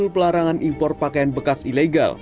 pakaian bekas ilegal